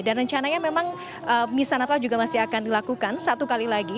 dan rencananya memang misa natal juga masih akan dilakukan satu kali lagi